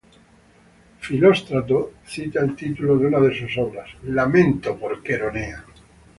Filóstrato cita el título de una de sus obras: "Lamento por Queronea".